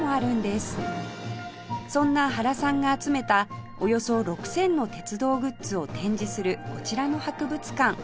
そんな原さんが集めたおよそ６０００の鉄道グッズを展示するこちらの博物館